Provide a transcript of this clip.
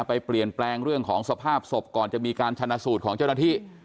ไปเปลี่ยนแปลงเรื่องของสภาพศพก่อนจะมีการชนะสูตรของเจ้าหน้าที่